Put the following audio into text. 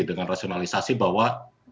dengan rasionalisasi bahwa